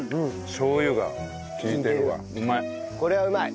これはうまい。